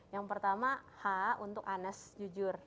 yang pertama h untuk anas jujur